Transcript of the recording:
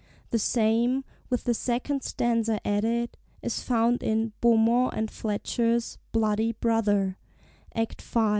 the same, with the second, stanza added, is found in Beaumont and Fletcher's "Bloody Brother," Act v.